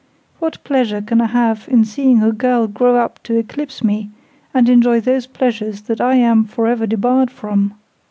What pleasure can I have in seeing a girl grow up to eclipse me, and enjoy those pleasures that I am for ever debarred from?